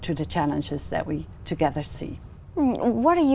tôi thích nói chuyện với những người trẻ